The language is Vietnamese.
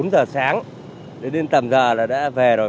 bốn giờ sáng đến tầm giờ là đã về rồi